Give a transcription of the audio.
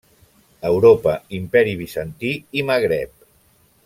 Europa, Imperi Bizantí i Magreb.